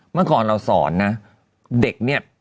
เมื่อก่อนเราสอนนะเด็กเนี่ย